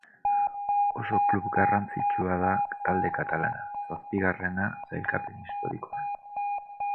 Oso klub garrantzitsua da talde katalana, zazpigarrena sailkapen historikoan.